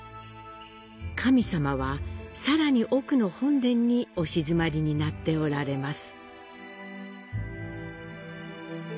神さまは、さらに奥の本殿にお鎮まりになっておられます。